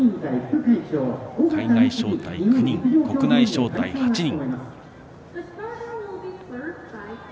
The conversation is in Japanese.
海外招待９人、国内招待８人。